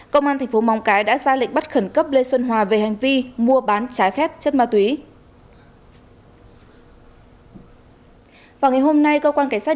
công an thành phố móng cái đã ra lệnh bắt khẩn cấp lê xuân hòa về hành vi mua bán trái phép chất ma túy